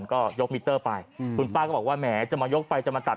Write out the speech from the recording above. ก็ยกมิเตอร์ไปคุณป้าก็บอกว่าแหมจะมายกไปจะมาตัด